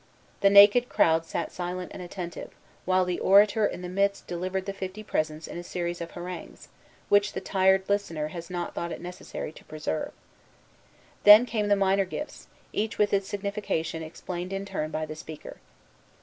The naked crowd sat silent and attentive, while the orator in the midst delivered the fifty presents in a series of harangues, which the tired listener has not thought it necessary to preserve. Then came the minor gifts, each with its signification explained in turn by the speaker.